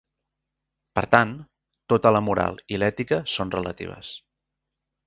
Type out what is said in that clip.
Per tant, tota la moral i l'ètica són relatives.